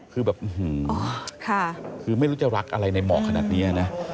คือแบบคือไม่รู้จะรักอะไรในเหมาะขนาดนี้นะ